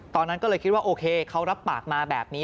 ตอนนั้นก็เลยคิดว่าโอเคเขารับปากมาแบบนี้